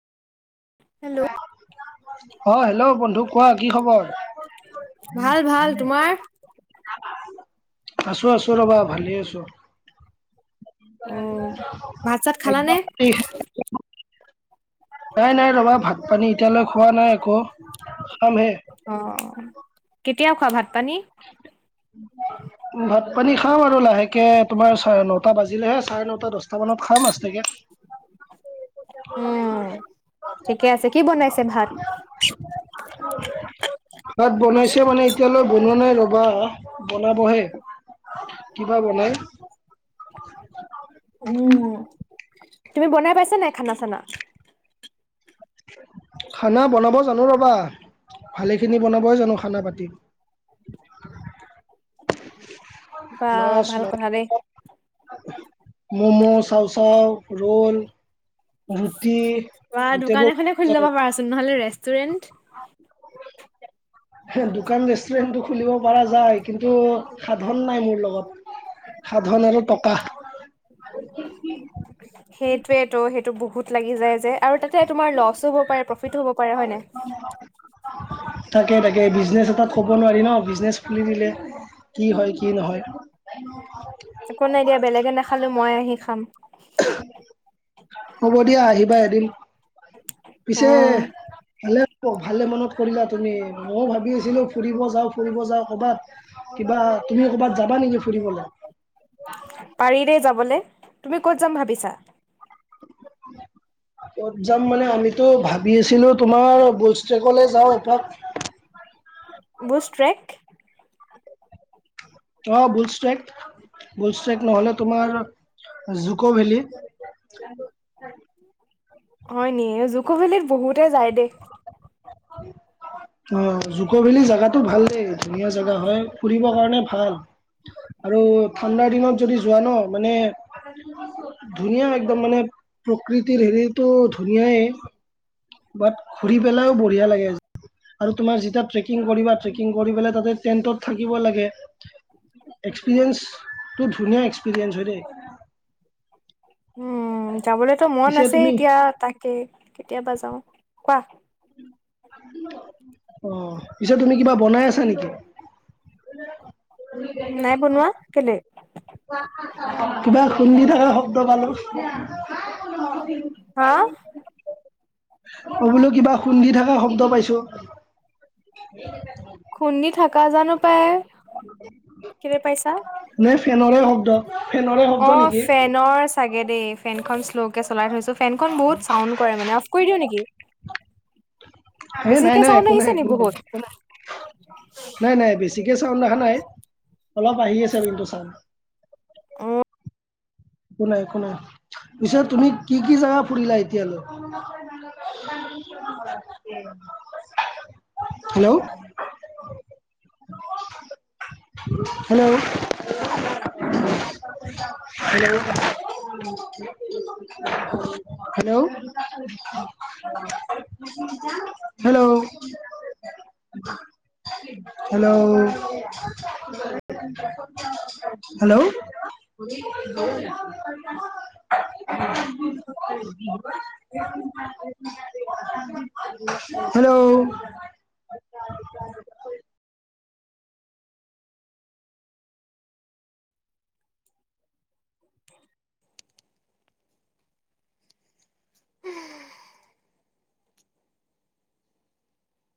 Hello অ' hello বন্ধু কোৱা কি খবৰ? ভাল ভাল তোমাৰ [inaudible] আছোঁ আছোঁ ৰবা ভালেই আছোঁ। অ ভাত চাত খালানে [inaudible] নাই নাই ৰ'বা ভাত পানী এতিয়ালৈ খোৱা নাই একো খামহে। অ' কেতিয়া খোৱা ভাত-পানী? [inaudible] [inaudible] ভাত পানী খাওঁ আৰু লাহেকে তোমাৰ চাৰে নটা বাজিলেহে চাৰে নটা দচটা মানত খাম আছতেকে। [inaudible] [inaudible] উম ঠিকে আছে কি বনাইছে ভাত তাত বনাইছে মানে এতিয়ালৈ ব বনোৱা নাই ৰ'বা বনাবহে কি বা বনাই। অ' তুমি বনাই পাইছা নাই খানা চানা? খানা বনাব জানো ৰ'বা, ভালে খিনি বনাবই জানো খানা পাতি। বা মাছ ভাল মা- কথা দেই। ম'ম' চাওঁ চাওঁ ৰোল ৰুটি বা দোকান গোটেইবোৰ এখনে খুলি ল'ব জানোঁ। পাৰাচোন নহ'লে ৰেষ্টুৰেণ্ট হে' দোকান ৰেষ্টুৰেণ্টটো খুলিব পৰা যায় কিন্তু সাধন নাই মোৰ লগত। সাধন আৰু টকা। সেইটোৱেতো, সেইটো বহুত লাগি যায় যে। আৰু তাতে তোমাৰ লছো হ'ব পাৰে, প্ৰফিতো হ'ব পাৰে, হয় নাই। [unintelligible] তাকে-তাকে, বিজনেছ এটাত ক'ব নোৱাৰি ন' বিজনেচ খুলি দিলে। কি হয়, কি নহয়। [unintelligible] একো নাই দিয়া, বেলেগে নাখালেও, মই আহি খাম। হ'ব দিয়া আহিবা এদিন, অ পিছে ভালে অ', ভালে মনত কৰিলা তুমি, ময়ো ভাবি আছিলোঁ, ফুৰিব যাওঁ, ফুৰিব যাওঁ কবাত। কিবা, তুমি ক'বাত যাবা নেকি ফুৰিবলৈ? পাৰি দেই যাবলে, তুমি ক'ত যাম ভাবিছা? [unintelligible] ক'ত যাম মানে, আমিতো ভাবি আছিলোঁ, তোমাৰ বল ষ্টেকলে যাওঁ এপাক। বুষ্ট ট্ৰেক? অ', বুছ ট্ৰেক। বুলষ্টেক ন'হলে তোমাৰ জুকৌ ভেলি। হয় নি, জুকো ভেলিত বহুতে যায় দে। [unintelligible] অ', জুকভেলি জেগাতটো ভাল দেই, ধুনীয়া জেগা হয়, ফুৰিব কাৰণে ভাল। আৰু ঠাণ্ডাৰ দিনত যদি যোৱা ন' মানে ধুনীয়া, একদম মানে, প্ৰকৃতিৰ হেৰিটো ধুনীয়াই। বাট ঘুৰি পেলাইও বঢ়িয়া লাগে। আৰু তোমাৰ যেতিয়া ট্ৰেকিং কৰিবা, ট্ৰেকিং কৰিপেলাই তাতে টেন্টত থাকিব লাগে। এক্সপিৰিয়েঞ্চটো ধুনীয়া এক্সপিৰিয়েঞ্চ হয় দেই। উম, যাবলৈতো মন পিছে আছেই, তুমি এতিয়া তাকে কেতিয়াবা যাওঁ, কোৱা। অ', পিছে তুমি কিবা বনাই আছা নেকি? নাই বনোৱা, কেলে? কিবা খুন্দি থকা শব্দ পালোঁ। হা [unintelligible] অ', বোলোঁ কিবা খুন্দি থকা শব্দ পাইছোঁ। খুন্দি থাকা, জানো পাই। কেলে পাইছা নে ফেনৰৰে শব্দ। ফেনৰে শব্দ অ', নেকি? ফেনৰ চাগে দেই, ফেনখন শ্ল'কে চলাই থৈছোঁ, ফেনখন বহুত চাউণ্ড কৰে মানে, অফ কৰি দিওঁ নেকি? এ নাই বেছিকে নাই চাওন একো নাই আহিছে নি একো বহুত? নাই-নাই, বেছি কে চাওন অহা নাই, অলপ আহি আছে কিন্তু চাওন। অ'। একো নাই, একো নাই, পিছে তুমি কি-কি জেগা ফুৰিলা এতিয়ালৈ? Hello? Hello? Hello, hello? Hello? [unintelligible] Hello, hello? [unintelligible] Hello. কেলে চেক চক উম!